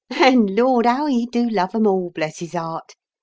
"And, lord, how he do love 'em all, bless his heart!"